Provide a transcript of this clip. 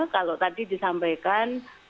kalau tadi disampaikan